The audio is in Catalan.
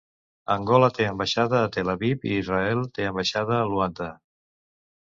Angola té ambaixada a Tel Aviv i Israel té ambaixada a Luanda.